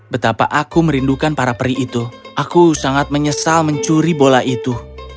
betapa aku merindukan para peri itu aku sangat menyesal mencuri bola itu